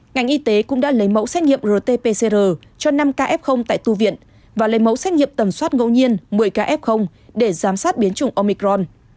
ngành y tế cũng đã lấy mẫu xét nghiệm rt pcr cho năm k f tại tu viện và lấy mẫu xét nghiệm tầm soát ngẫu nhiên một mươi kf để giám sát biến chủng omicron